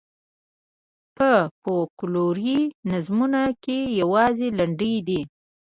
په فوکلوري نظمونو کې یوازې لنډۍ دي.